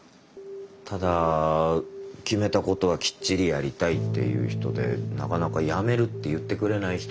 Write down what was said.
ただ決めた事はきっちりやりたいっていう人でなかなかやめるって言ってくれない人なんで。